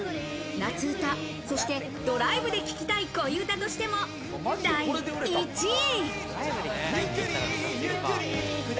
夏うた、そしてドライブで聴きたい恋うたとしても第１位。